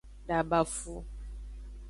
Dabafu.